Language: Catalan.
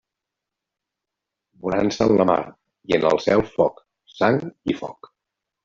Bonança en la mar i en el cel foc, sang i foc.